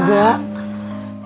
tunggu aku mau ngobrol